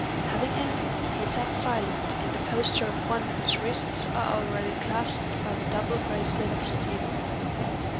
Having ended, he sat silent, in the posture of one whose wrists are already clasped by the double bracelet of steel.